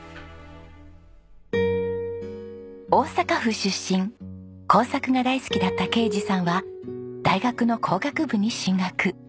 大阪府出身工作が大好きだった啓二さんは大学の工学部に進学。